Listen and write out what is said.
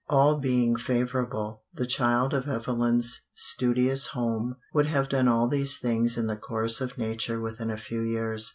All being favorable, the child of Evelyn's studious home would have done all these things in the course of nature within a few years.